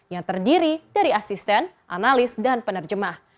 yang terdiri dari asisten analis dan penerjemah